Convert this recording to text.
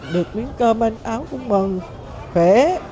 được miếng cơm áo cũng mừng khỏe